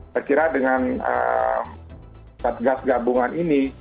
kira kira dengan satgas gabungan ini